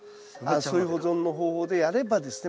そういう保存の方法でやればですね